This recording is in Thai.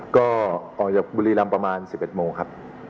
ก็ออกจากบุรีลำประมาณสิบเอ็ดโมงครับ